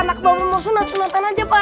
anak bangun mau sunat sunatan aja pak